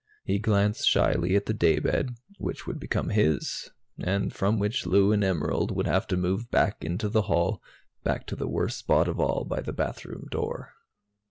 He glanced shyly at the daybed, which would become his, and from which Lou and Emerald would have to move back into the hall, back to the worst spot of all by the bathroom door.